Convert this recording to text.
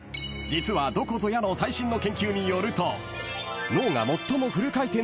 ［実はどこぞやの最新の研究によると］